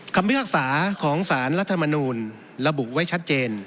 พิพากษาของสารรัฐมนูลระบุไว้ชัดเจน